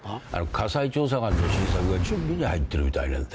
『火災調査官』の新作が準備に入ってるみたいなんだよ。